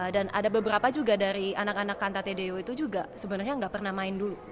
dan ada beberapa juga dari anak anak cantate deo itu juga sebenarnya nggak pernah main dulu